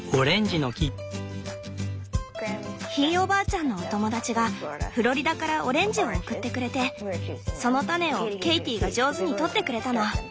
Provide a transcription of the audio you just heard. ひいおばあちゃんのお友達がフロリダからオレンジを送ってくれてその種をケイティが上手にとってくれたの。